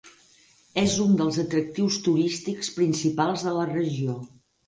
És un dels atractius turístics principals de la regió.